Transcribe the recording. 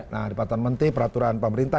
nah di peraturan menteri peraturan pemerintah